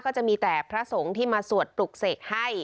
ก็จะมีแต่พระสงฆ์ที่มาสวดปลุกเสกให้